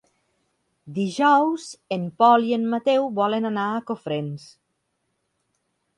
Dijous en Pol i en Mateu volen anar a Cofrents.